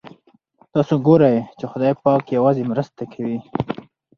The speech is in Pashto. تاسو ګورئ چې خدای پاک یوازې مرسته کوي.